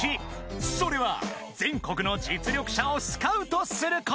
［それは全国の実力者をスカウトすること］